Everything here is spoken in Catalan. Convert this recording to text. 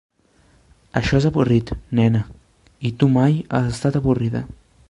Això és avorrit, nena, i tu mai has estat avorrida.